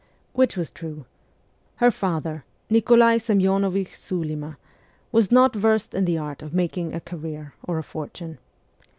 Which was true. Her father, Nikolai Semyonovich Sulfma, was .not versed in the art of making a career or a fortune.